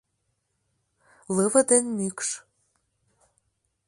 Лыве ден мӱкш.